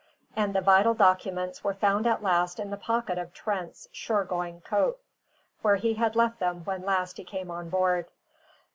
And the vital documents were found at last in the pocket of Trent's shore going coat, where he had left them when last he came on board.